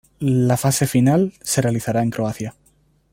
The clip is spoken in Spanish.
La fase final se realizará en Croacia.